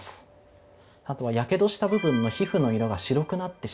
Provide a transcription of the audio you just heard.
あとはやけどした部分の皮膚の色が白くなってしまう。